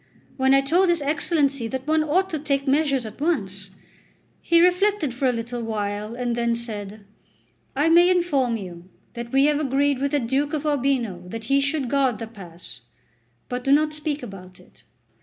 When I told his Excellency that one ought to take measures at once, he reflected for a little while and then said: "I may inform you that we have agreed with the Duke of Urbino that he should guard the pass; but do not speak about it."